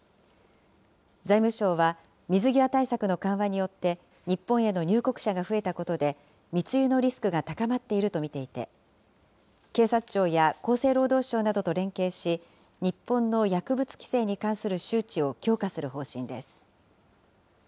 財務省は、水際対策の緩和によって、日本への入国者が増えたことで、密輸のリスクが高まっていると見ていて、警察庁や厚生労働省などと連携し、日本の薬物規制に関する周知を強化する方針です。